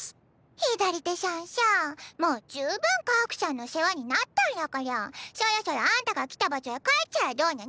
左手しゃんしゃあもう十分カハクしゃんの世話になったんらかりゃそろそろあんたが来た場所へ帰っちゃらどうにゃの？